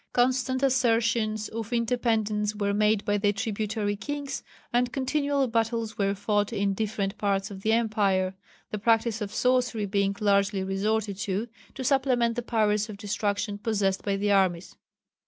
Constant assertions of independence were made by the tributary kings, and continual battles were fought in different parts of the empire, the practice of sorcery being largely resorted to, to supplement the powers of destruction possessed by the armies.